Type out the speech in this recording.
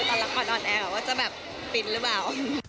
แล้วลองดูกันละครออนแอร์ว่าจะแบบฟินหรือเปล่า